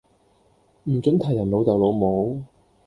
唔准提人老竇老母